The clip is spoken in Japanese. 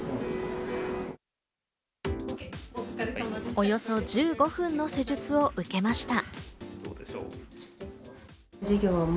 およそ１５分の施術を受けました。